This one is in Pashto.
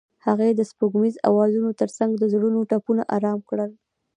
هغې د سپوږمیز اوازونو ترڅنګ د زړونو ټپونه آرام کړل.